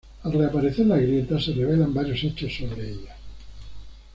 Al reaparecer la grieta, se revelan varios hechos sobre ella.